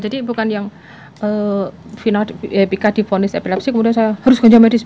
jadi bukan yang pika diponis epilepsi kemudian saya harus ganja medis